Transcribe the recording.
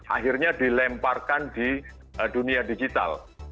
akhirnya dilemparkan di dunia digital